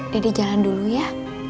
dede jalan dulu ya